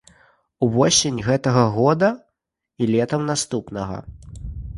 Увосень гэтага года і летам наступнага.